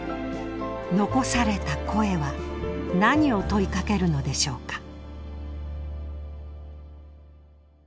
遺された声は何を問いかけるのでしょうか？